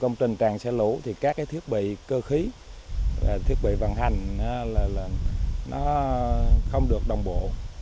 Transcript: công trình tràn xả lũ thì các thiết bị cơ khí thiết bị vận hành là nó không được đồng bộ